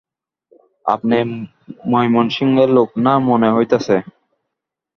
আপনে ময়মনসিংয়ের লোক না মনে হইতাছে।